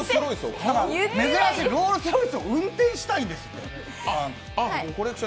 珍しい、ロールスロイスを運転したいんですって。